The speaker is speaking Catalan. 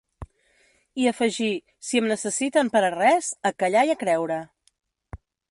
I afegí: ‘Si em necessiten per a res, a callar i a creure!’